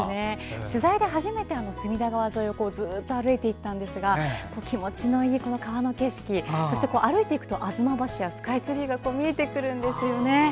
取材で初めて隅田川沿いをずっと歩いていたんですが気持ちのいい川の景色そして歩いていくと吾妻橋やスカイツリーが見えてくるんですね。